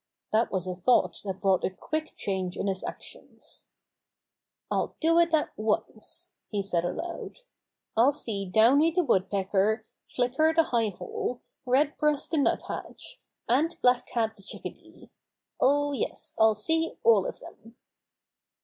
That was a thought that brought a quick change in his actions. "I'll do it at once !" he said aloud. "Ill see Downy the Woodpecker, Flicker the High Hole, Red Breast the Nuthatch, and Black Cap the Chickadee. Oh, yes, I'll see all of them."